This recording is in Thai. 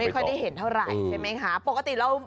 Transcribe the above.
ค่อยได้เห็นเท่าไหร่ใช่ไหมคะปกติเรา